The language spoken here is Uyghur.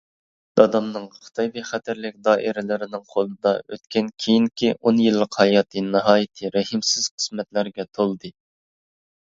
دادامنىڭ خىتاي بىخەتەرلىك دائىرىلىرىنىڭ قولىدا ئۆتكەن كېيىنكى ئون يىللىق ھاياتى ناھايىتى رەھىمسىز قىسمەتلەرگە تولدى.